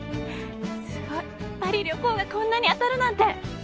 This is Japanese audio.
すごい。パリ旅行がこんなに当たるなんて。